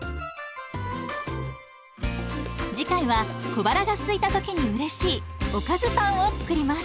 次回は小腹がすいた時にうれしいおかずパンを作ります。